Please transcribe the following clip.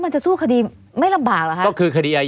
ไม่มีครับไม่มีครับ